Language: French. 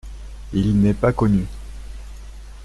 Il n’est pas connu.